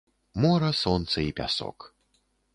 Мора, сонца і пясок.